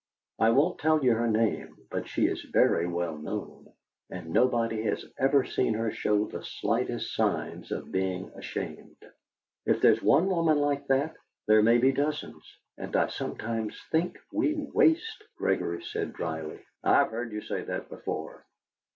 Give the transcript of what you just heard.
I won't tell you her name, but she is very well known, and nobody has ever seen her show the slightest signs of being ashamed. If there is one woman like that there may be dozens, and I sometimes think we waste " Gregory said dryly: "I have heard you say that before."